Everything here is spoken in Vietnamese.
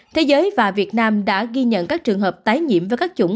thế giới và việt nam đã ghi nhận các trường hợp tái nhiễm với các chủng